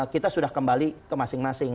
kita sudah kembali ke masing masing